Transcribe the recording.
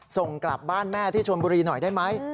ส่งกลับบ้านแม่ที่ชนบุรีหน่อยได้ไหม